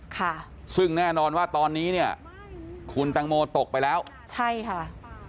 ค่ะซึ่งแน่นอนว่าตอนนี้เนี่ยคุณตังโมตกไปแล้วใช่ค่ะ